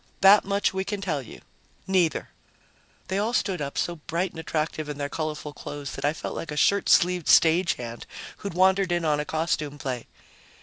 "That much we can tell you. Neither." They all stood up, so bright and attractive in their colorful clothes that I felt like a shirt sleeved stage hand who'd wandered in on a costume play.